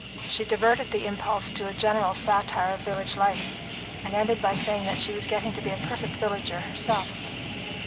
She diverted the impulse to a general satire of village life, and ended by saying that she was getting to be a perfect villager herself.